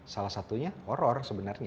salah satunya horror sebenarnya